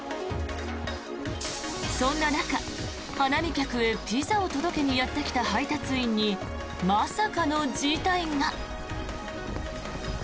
そんな中、花見客へピザを届けにやってきた配達員にまさかの事態が。